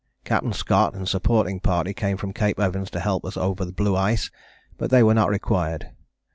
Captain Scott and supporting party came from Cape Evans to help us over blue ice, but they were not required.